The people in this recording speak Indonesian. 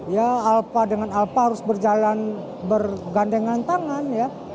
ya alpa dengan alpa harus berjalan bergandengan tangan ya